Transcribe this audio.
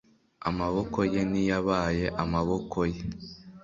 amaboko ye ntiyabaye amaboko ye